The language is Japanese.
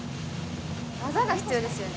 技が必要ですよね。